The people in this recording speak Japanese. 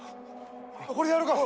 これやるから。